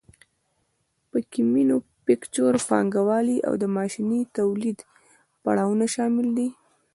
پکې مینوفکچور پانګوالي او د ماشیني تولید پړاوونه شامل دي